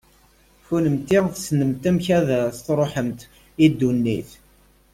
Kennemti tessnemt amek ad as-tṛuḥemt i ddunit.